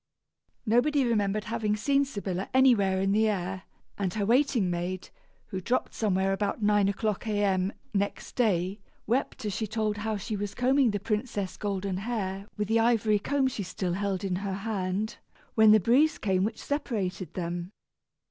Nobody remembered having seen Sybilla anywhere in the air, and her waiting maid, who dropped somewhere about nine o'clock A.M., next day, wept as she told how she was combing the princess' golden hair with the ivory comb she still held in her hand, when the breeze came which separated them.